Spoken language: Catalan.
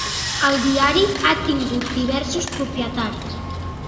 El diari ha tingut diversos propietaris.